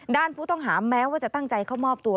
ด้านผู้ต้องหาแม้ว่าจะตั้งใจเข้ามอบตัว